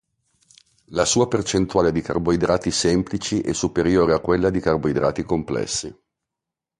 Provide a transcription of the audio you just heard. La sua percentuale di carboidrati semplici è superiore a quella di carboidrati complessi.